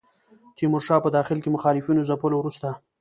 تیمورشاه په داخل کې مخالفینو ځپلو وروسته.